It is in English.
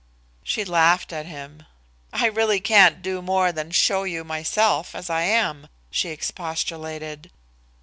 She laughed at him. "I really can't do more than show you myself as I am," she expostulated.